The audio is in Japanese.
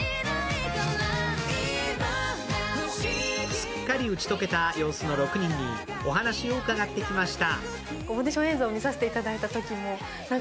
すっかり打ち解けた様子の６人にお話を伺ってきました。